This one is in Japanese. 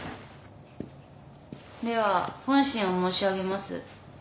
では本心を申し上げます。